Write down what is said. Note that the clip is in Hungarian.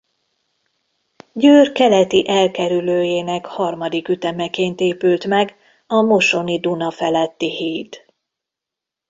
Győr keleti elkerülőjének harmadik ütemeként épült meg a Mosoni-Duna feletti híd.